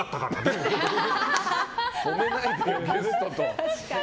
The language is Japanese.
もめないでよ、ゲストと。